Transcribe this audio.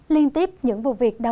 liên tiếp những vụ việc của bà nội